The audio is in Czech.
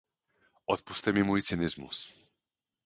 Odpusťte mi můj cynismus.